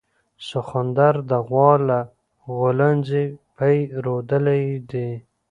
سخوندر د غوا له غولانځې پی رودلي دي